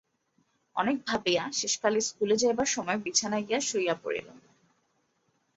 অনেক ভাবিয়া, শেষকালে স্কুলে যাইবার সময় বিছানায় গিয়া শুইয়া পড়িল।